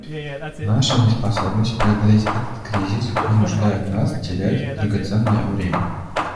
Наша неспособность преодолеть этот кризис вынуждает нас терять драгоценное время.